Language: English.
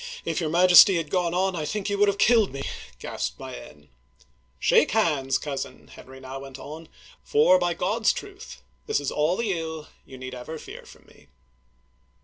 If your Majesty had gone on, I think you would have killed me !" gasped Mayenne. " Shake hands, cousin,'* Henry now went on, " for, by God*s truth, this is all the ill you need ever fear from me